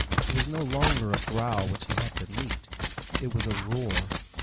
It was no longer a growl which he had to meet; it was a roar.